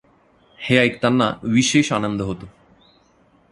हे ऐकताना विशेष आनंद होतो.